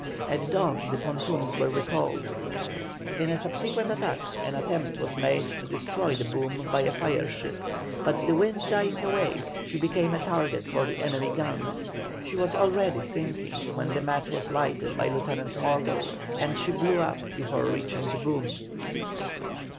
At dawn the pontoons were recalled. In a subsequent attack an attempt was made to destroy the boom by a fire ship, but the wind dying away, she became a target for the enemy's guns; she was already sinking when the match was lighted by Lieutenant Morgall, and she blew up before reaching the boom.